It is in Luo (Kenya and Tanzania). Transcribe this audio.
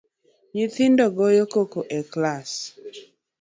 Nyithindo goyo koko e kilas